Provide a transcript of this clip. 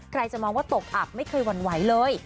ใครจะมองว่าตกอับไม่เคยหวั่นไหวเลย